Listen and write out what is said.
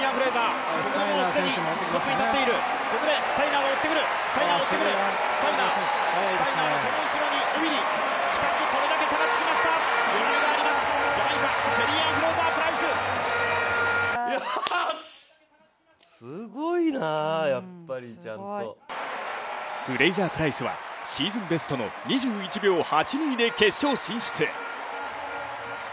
フレイザー・プライスはシーズンベストの２１秒８２で決勝進出。